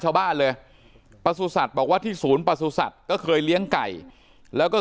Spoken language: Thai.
ชาวบ้านเลยประสุทธิ์บอกว่าที่ศูนย์ประสุทธิ์ก็เคยเลี้ยงไก่แล้วก็